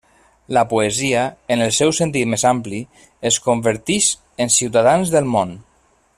La poesia, en el seu sentit més ampli, ens convertix en ciutadans del món.